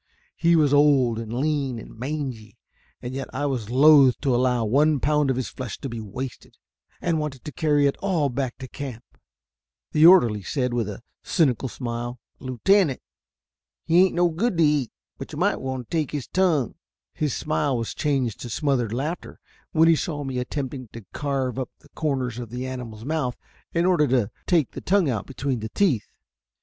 He was old and lean and mangy, and yet I was loath to allow one pound of his flesh to be wasted, and wanted to carry it all back to camp. The orderly said, with a cynical smile, "Lieutenant, he ain't no good to eat, but you might take his tongue." His smile was changed to smothered laughter when he saw me attempting to carve up the corners of the animal's mouth in order to take the tongue out between the teeth.